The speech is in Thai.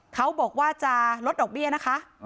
เขาบอกว่าจะลดดอกเบี้ยนะคะ